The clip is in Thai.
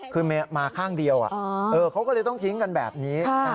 คือมาข้างเดียวเขาก็เลยต้องทิ้งกันแบบนี้